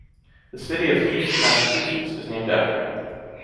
The city of Heath, Massachusetts, is named after him.